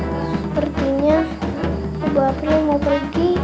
sepertinya ibu april mau pergi